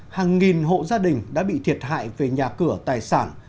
hàng nghìn hộ gia đình đã bị thiệt hại về nhà cửa tài sản